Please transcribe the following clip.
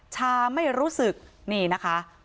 ชาไม่รู้สึกนี่นะคะ